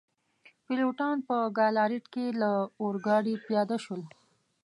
پیلوټان په ګالاریټ کي له اورګاډي پیاده شول.